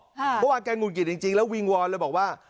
เมื่อวานแกหงุดหงิดจริงแล้ววิงวอนเลยบอกว่า